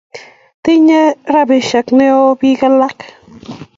Tinyei ribset neoo biik alak.